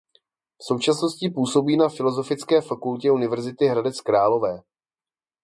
V současnosti působí na Filosofické fakultě Univerzity Hradec Králové.